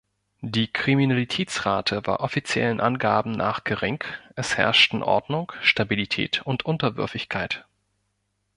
Die Kriminalitätsrate war offiziellen Angaben nach gering, es herrschten Ordnung, Stabilität und Unterwürfigkeit.